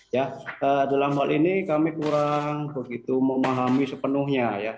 ya dalam hal ini kami kurang begitu memahami sepenuhnya ya